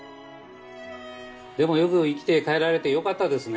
でもよく生きて帰られてよかったですね。